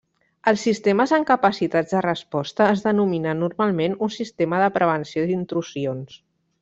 Els sistemes amb capacitats de resposta es denominen normalment un sistema de prevenció d'intrusions.